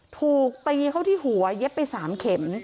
ถูกตีเข้าที่หัวเย็บไป๓เข็ม